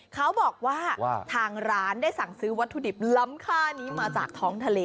เขาบอกว่าทางร้านได้สั่งซื้อวัตถุดิบล้ำค่านี้มาจากท้องทะเล